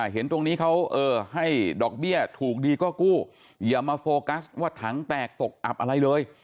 เห็นตรงนี้เขาให้ดอกเบี้ยถูกดีก็กู้อย่ามาโฟกัสว่าถังแตกตกอับอะไรเลย